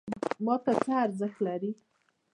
ماته څه ارزښت لري؟